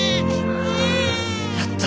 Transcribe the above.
やった！